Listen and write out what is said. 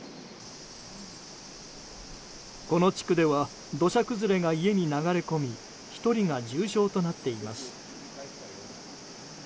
この地区では土砂崩れが家に流れ込み１人が重傷となっています。